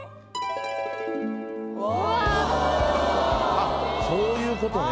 あっそういうことね。